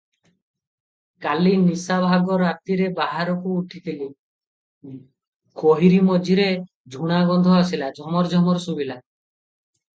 କାଲି ନିଶାଭାଗ ରାତିରେ ବାହାରକୁ ଉଠିଥିଲି, ଗୋହିରୀ ମଝିରେ ଝୁଣାଗନ୍ଧ ଆସିଲା, ଝମର ଝମର ଶୁଭିଲା ।